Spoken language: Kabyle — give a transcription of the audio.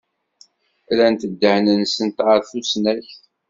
Rrant ddehn-nsent ɣer tusnakt.